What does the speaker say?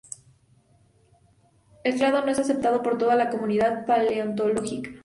El clado no es aceptado por toda la comunidad paleontológica.